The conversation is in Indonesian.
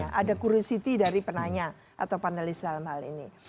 jadi itu adalah titik dari penanya atau panelis dalam hal ini